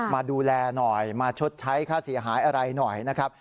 มาดูแลหน่อยมาชดใช้ค่าเสียหายอะไรหน่อยนะครับ